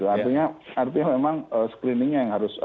artinya memang screeningnya yang harus